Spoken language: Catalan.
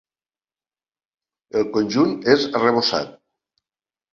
El conjunt és arrebossat.